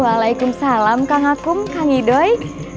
waalaikumsalam kakakum kak ngidoi